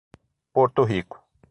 Porto Rico